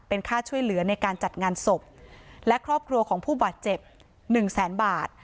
ค่าช่วยเหลือในการจัดงานศพและครอบครัวของผู้บาดเจ็บหนึ่งแสนบาท